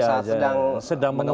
saat sedang menelpon